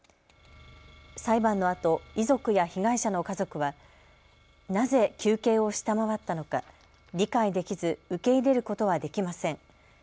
裁判のあと遺族や被害者の家族はなぜ求刑を下回ったのか、理解できず受け入れることはできません。